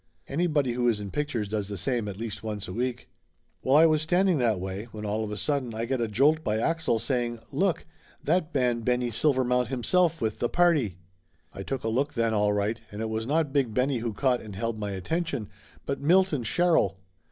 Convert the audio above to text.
Anybody who is in pictures does the same at least once a week. Well, I was standing that way, when all of a sudden Laughter Limited 141 I got a jolt by Axel saying "Look! That ban Benny Silvermount himself with tha party!" I took a look then, all right, and it was not Big Benny who caught and held my attention, but Milton Sherrill.